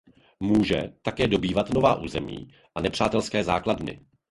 Může také dobývat nová území a nepřátelské základny.